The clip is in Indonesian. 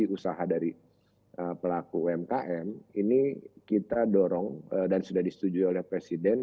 jadi usaha dari pelaku umkm ini kita dorong dan sudah disetujui oleh presiden